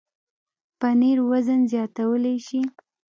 پنېر وزن زیاتولی شي.